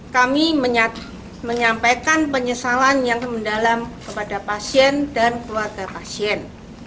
kami menyampaikan penyesalan yang mendalam kepada pasien dan keluarga pasien